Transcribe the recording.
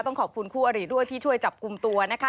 ขอบคุณคู่อริด้วยที่ช่วยจับกลุ่มตัวนะคะ